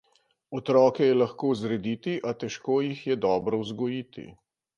Otroke je lahko zrediti, a težko jih je dobro vzgojiti.